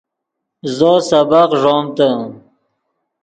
زو سبق ݱومتے